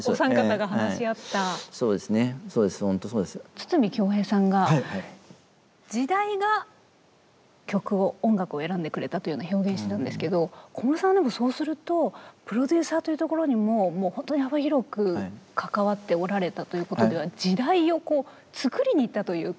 筒美京平さんが「時代が曲を音楽を選んでくれた」というような表現してたんですけど小室さんはでもそうするとプロデューサーというところにももうほんとに幅広く関わっておられたということでは時代をこうつくりにいったというか。